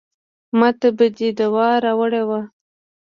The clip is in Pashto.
ماته به دې دوا راوړې وه.